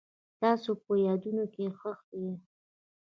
تاسو مې په یادونو کې ښخ یئ.